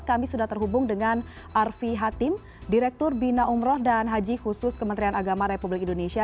kami sudah terhubung dengan arfi hatim direktur bina umroh dan haji khusus kementerian agama republik indonesia